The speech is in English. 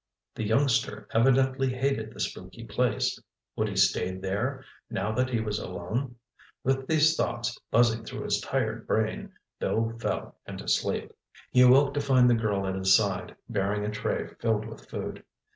The youngster evidently hated the spooky place. Would he stay there, now that he was alone? With these thoughts buzzing through his tired brain, Bill fell into sleep. He awoke to find the girl at his side, bearing a tray filled with food.